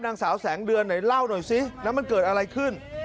นางสาวแสงเดือนไหนเล่าหน่อยซิแล้วมันเกิดอะไรขึ้น